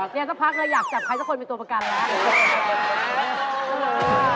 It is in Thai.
ยังสักพักเลยอยากจับใครสักคนเป็นตัวประกันแล้ว